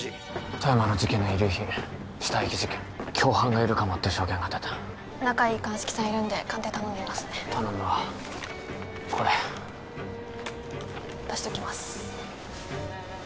富山の事件の遺留品死体遺棄事件共犯がいるかもって証言が出た仲いい鑑識さんいるんで鑑定頼んでみますね頼むわこれ渡しときます